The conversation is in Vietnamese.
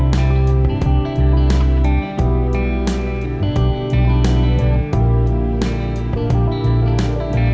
hẹn gặp lại